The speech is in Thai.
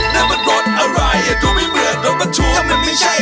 ใต้สุดสยามเมืองกามใจ